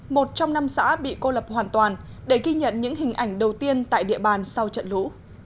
một trong năm xã bị cô lập hoàn toàn để ghi nhận những hình ảnh đầu tiên tại địa bàn sau trận lũ